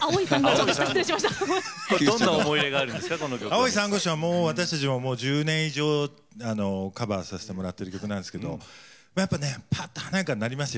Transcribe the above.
「青い珊瑚礁」は私たちももう１０年以上カバーさせてもらってる曲なんですけどやっぱねぱっと華やかになりますよ。